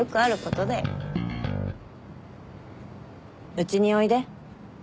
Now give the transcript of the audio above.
うちにおいで。